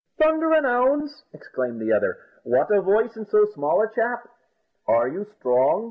"Thunder an' ounds!" exclaimed the other, "what a voice in so small a chap!" "Are you strong?"